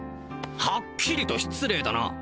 はっきりと失礼だな！